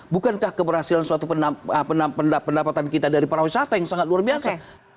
bukankah keberhasilan suatu pendapatan kita dari para wisata yang sangat luar biasa